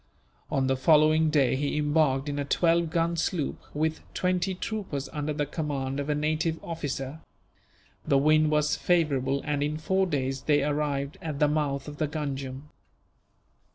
On the following day he embarked in a twelve gun sloop, with twenty troopers under the command of a native officer. The wind was favourable and, in four days, they arrived at the mouth of the Ganjam.